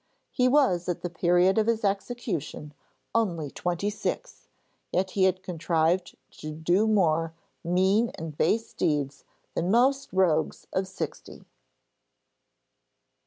He was at the period of his execution only twenty six, yet he had contrived to do more mean and base deeds than most rogues of sixty.